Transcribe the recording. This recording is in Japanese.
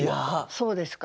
そうですか。